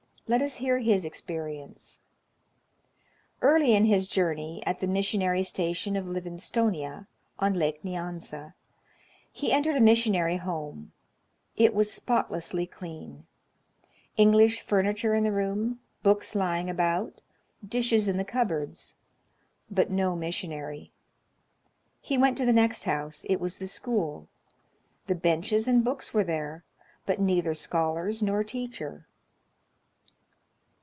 Let us hear his experience. Early in his journey, at the missionary station of Livingstonia, on Lake Nyanza, he entered a missionary home: it was spotlessly clean; English furniture in the room, books lying about, dishes in the cupboards; but no missionary. He went to the next house: it was the school; the benches and books were there, but neither scholars nor teacher.